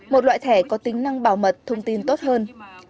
một loại thẻ có tính năng bảo mật thông tin tốt hơn